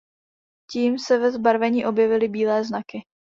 Tím se ve zbarvení objevily bílé znaky.